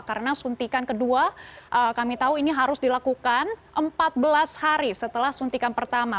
karena suntikan kedua kami tahu ini harus dilakukan empat belas hari setelah suntikan pertama